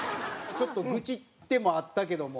ちょっと愚痴ってもあったけども。